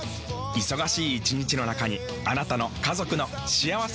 忙しい一日の中にあなたの家族の幸せな時間をつくります。